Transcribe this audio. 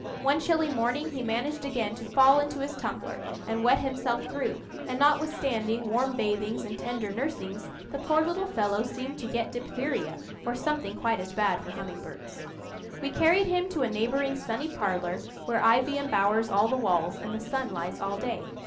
One chilly morning he managed again to fall into his tumbler, and wet himself through; and notwithstanding warm bathings and tender nursings, the poor little fellow seemed to get diphtheria, or something quite as bad for humming birds. We carried him to a neighbouring sunny parlour, where ivy embowers all the walls and the sun lies all day.